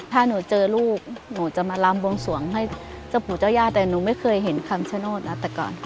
ถ้าหนูเจอลูกหนูจะมาลำบวงสวงให้เจ้าปู่เจ้าย่าแต่หนูไม่เคยเห็นคำชโนธนะแต่ก่อน